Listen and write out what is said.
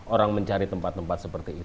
orang mencari tempat tempat seperti itu